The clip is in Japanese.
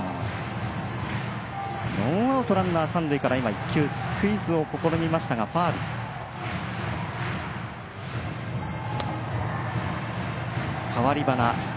ノーアウト、ランナー、三塁から１球スクイズを試みましたがファウルとなりました。